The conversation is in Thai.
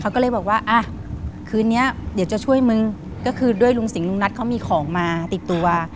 เขาก็เลยบอกว่าอ่ะคืนนี้เดี๋ยวจะช่วยมึงก็คือด้วยลุงสิงหลุงนัทเขามีของมาติดตัว